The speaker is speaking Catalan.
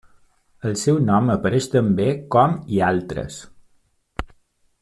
El seu nom apareix també com i altres.